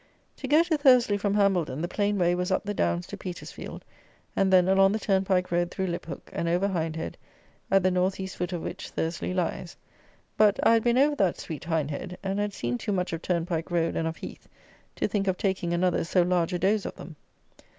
To go to Thursley from Hambledon the plain way was up the downs to Petersfield, and then along the turnpike road through Liphook, and over Hindhead, at the north east foot of which Thursley lies. But, I had been over that sweet Hindhead, and had seen too much of turnpike road and of heath, to think of taking another so large a dose of them.